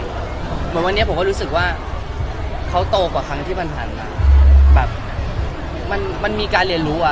เหมือนวันนี้ผมก็รู้สึกว่าเขาโตกว่าครั้งที่ผ่านมาแบบมันมันมีการเรียนรู้อ่ะ